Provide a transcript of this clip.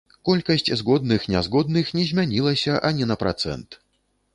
Колькасць згодных-нязгодных не змянілася ані на працэнт.